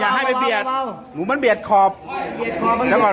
อย่าให้มิบเบียบเบียบเบียคอบยาก่อน